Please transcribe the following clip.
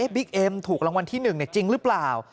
เอ็มถูกรางวัลที่๑จริงหรือเปล่า